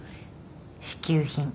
支給品。